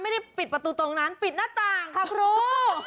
ไม่ได้ปิดประตูตรงนั้นปิดหน้าต่างค่ะครู